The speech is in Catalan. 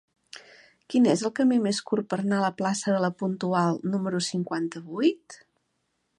Quin és el camí més curt per anar a la plaça de La Puntual número cinquanta-vuit?